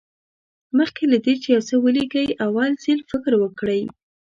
مخکې له دې چې یو څه ولیکئ یو ځل فکر وکړئ.